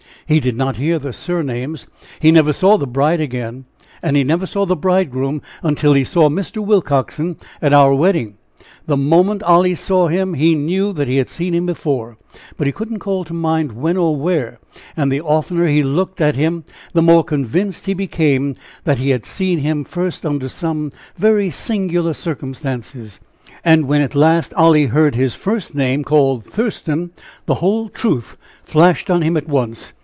He did not hear their surnames. He never saw the bride again; and he never saw the bridegroom until he saw Mr. Willcoxen at our wedding. The moment Olly saw him he knew that he had seen him before, but could not call to mind when or where; and the oftener he looked at him, the more convinced he became that he had seen him first under some very singular circumstances. And when at last lie heard his first name called 'Thurston,' the whole truth flashed on him at once.